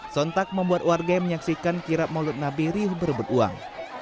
sontak membuat warga menyaksikan kirap maulid nabi riyuh berebut uang